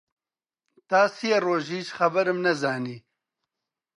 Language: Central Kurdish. تا سێ ڕۆژ هیچ خەبەرم نەزانی